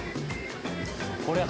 こりゃ